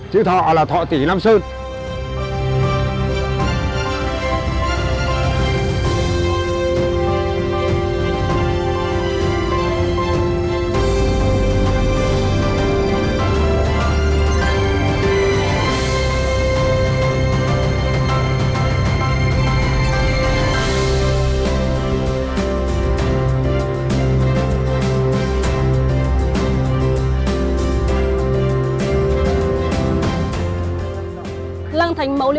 chữ thọ là thọ tỉ nam sơn